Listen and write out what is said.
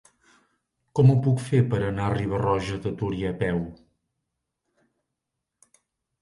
Com ho puc fer per anar a Riba-roja de Túria a peu?